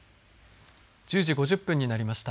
１０時５０分になりました。